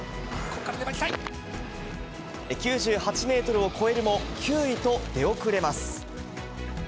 ９８メートルを超えるも、９位と出遅れます。